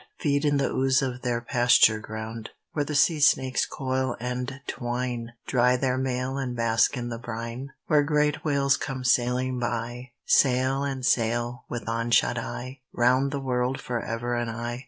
Feed in the ooze of their pasture ground; Where the sea snakes coil and twine, Dry their mail and bask in the brine; Where great whales come sailing by, Sail and sail, with unshut eye, Round the world for ever and aye?